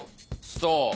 そう。